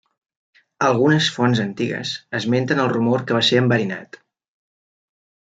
Algunes fonts antigues esmenten el rumor que va ser enverinat.